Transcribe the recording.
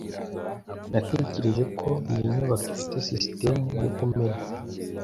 Natekereje ko iyi nyubako ifite sisitemu yo kumena.